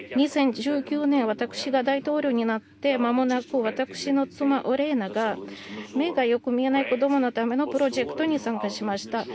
２０１９年、私が大統領になって私の妻が目がよく見えない子供のためのプロジェクトに参加しました。